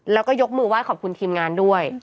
แล้วก็ยกมือไห้ขอบคุณทีมงานด้วย